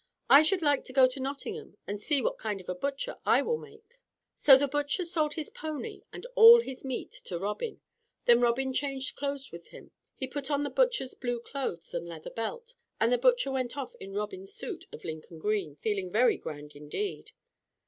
I should like to go to Nottingham and see what kind of a butcher I will make:" So the butcher sold his pony and all his meat to Robin. Then Robin changed clothes with him. He put on the butcher's blue clothes and leather belt, and the butcher went off in Robin's suit of Lincoln green, feeling very grand indeed.